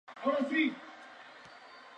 El recinto está bastante deteriorado.